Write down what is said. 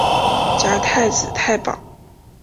加太子太保。